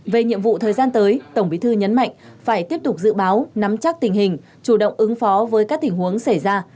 về nhiệm vụ thời gian tới tổng bí thư nhấn mạnh phải tiếp tục dự báo nắm chắc tình hình chủ động ứng phó với các tình huống xảy ra